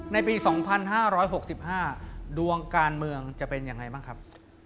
ในปี๒๕๖๕ดวงการเมืองจะเป็นยังไงบ้างครับ